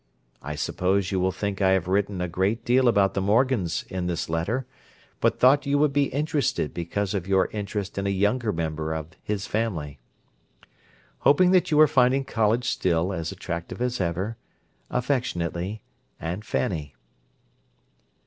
I suppose you will think I have written a great deal about the Morgans in this letter, but thought you would be interested because of your interest in a younger member of his family. Hoping that you are finding college still as attractive as ever, Affectionately, Aunt Fanny.